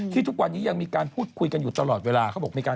ที่ทุกวันนี้ยังมีการพูดคุยกันอยู่ตลอดเวลา